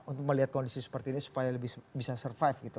untuk melihat kondisi seperti ini supaya lebih bisa survive gitu